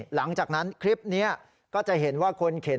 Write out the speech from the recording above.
หลังจากนั้นคลิปนี้ก็จะเห็นว่า